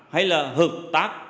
hay là hợp tác